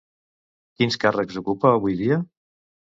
Quins càrrecs ocupa avui dia?